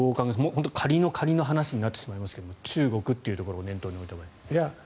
本当に仮の仮の話になってしまいますが中国というところを念頭に置くと。